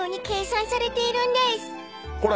ほら